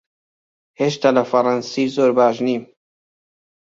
هێشتا لە فەڕەنسی زۆر باش نیم.